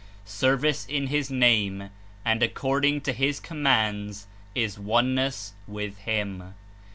Service "in His Name" and according to his Commands Is Oneness with Him.